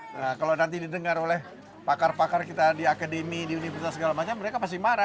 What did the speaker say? nah kalau nanti didengar oleh pakar pakar kita di akademi di universitas segala macam mereka pasti marah